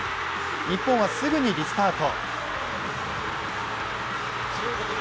日本はすぐにリスタート。